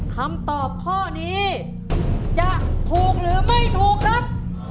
คำตอบข้อนี้จะถูกหรือไม่ถูกครับ